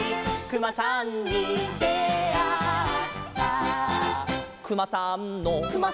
「くまさんの」